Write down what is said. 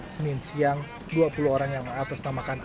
senin siang dua puluh orang yang mengatasnamakan